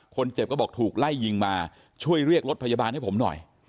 คนเจ็บก็บอกถูกไล่ยิงมาช่วยเรียกรถพยาบาลให้ผมหน่อย